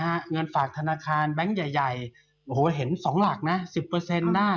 เราเนี่ยนะฮะเงินฝากธนาคารแบงค์ใหญ่โอ้โหเห็น๒หลักนะ๑๐ได้